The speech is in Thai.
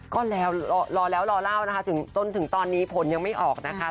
ก็แล้วรอแล้วรอเล่านะคะถึงจนถึงตอนนี้ผลยังไม่ออกนะคะ